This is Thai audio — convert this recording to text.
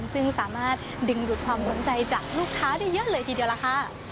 ซึ่งสามารถดึงดูดความสนใจจากลูกค้าได้เยอะเลยทีเดียวล่ะค่ะ